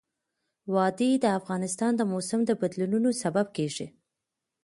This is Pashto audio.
وادي د افغانستان د موسم د بدلون سبب کېږي.